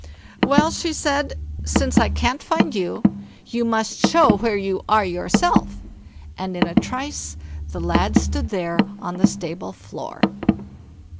"Well", she said, "since I can't find you, you must show where you are yourself"; and in a trice the lad stood there on the stable floor.